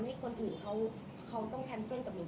ให้คนอื่นเขาต้องแคนเซิลกับหนู